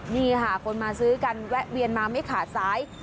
นี่ค่ะคนมาซื้อกันแวะเวียนมาไม่ขาดสาย